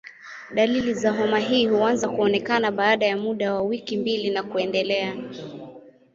Dalili za homa hii huanza kuonekana baada ya muda wa wiki mbili na kuendelea.